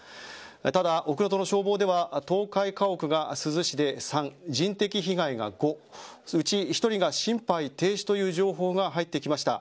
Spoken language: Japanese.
ただ、奥能登の消防では倒壊家屋が珠洲市で３人的被害が５うち１人が心肺停止という情報が入ってきました。